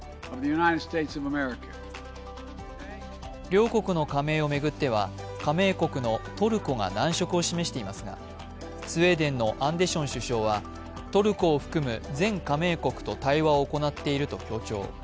両国の加盟を巡っては加盟国のトルコが難色を示していますが、スウェーデンのアンデション首相はトルコを含む全加盟国と対話を行っていると強調。